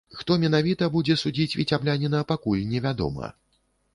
Хто менавіта будзе судзіць віцябляніна, пакуль невядома.